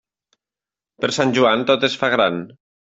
Per Sant Joan, tot es fa gran.